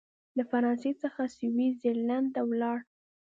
له فرانسې څخه سویس زرلینډ ته ولاړ.